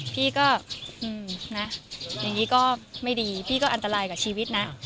พี่ก็นะอย่างนี้ก็ไม่ดีพี่ก็อันตรายกับชีวิตนะ